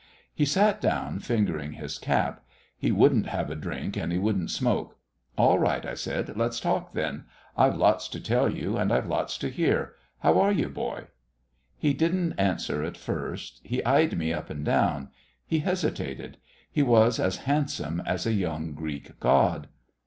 He sat down, fingering his cap. He wouldn't have a drink and he wouldn't smoke. "All right," I said, "let's talk then. I've lots to tell you and I've lots to hear. How are you, boy?" He didn't answer at first. He eyed me up and down. He hesitated. He was as handsome as a young Greek god.